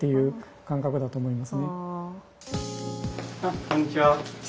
あっこんにちは。